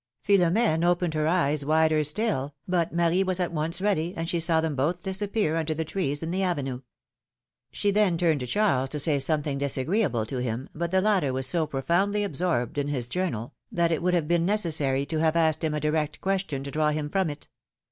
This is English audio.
Philomene opened her eyes wider still, but Marie was at once ready, and she saw them both disappear under the trees in the avenue. She then turned to Charles to say something disagreeable to him, but the latter was so pro foundly absorbed in his journal, that it would have been necessary to have asked him a direct question to draw him from it.